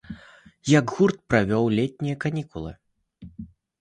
Як гурт правёў летнія канікулы?